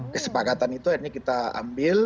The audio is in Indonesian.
kesepakatan itu akhirnya kita ambil